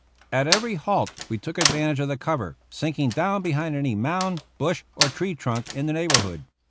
At every halt we took advantage of the cover, sinking down behind any mound, bush, or tree trunk in the neighborhood.